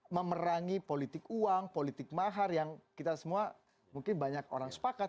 memerangi politik uang politik mahar yang kita semua mungkin banyak orang sepakat